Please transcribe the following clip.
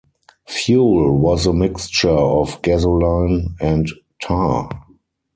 Fuel was a mixture of gasoline and tar.